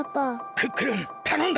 クックルンたのんだ！